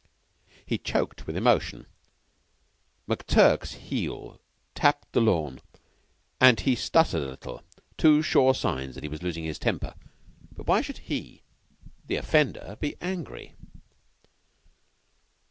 He choked with emotion. McTurk's heel tapped the lawn and he stuttered a little two sure signs that he was losing his temper. But why should he, the offender, be angry?